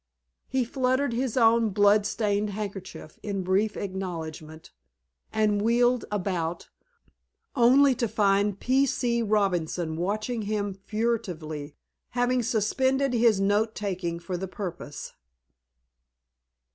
He fluttered his own blood stained handkerchief in brief acknowledgment, and wheeled about, only to find P. C. Robinson watching him furtively, having suspended his note taking for the purpose.